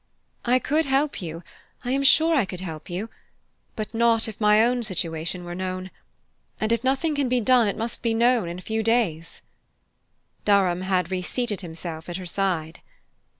I could help you I am sure I could help you; but not if my own situation were known. And if nothing can be done it must be known in a few days." Durham had reseated himself at her side.